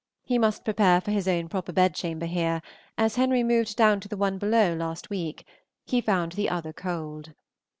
He must prepare for his own proper bedchamber here, as Henry moved down to the one below last week; he found the other cold.